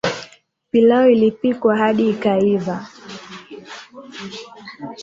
Pilau ilipikwa hadi ikaiva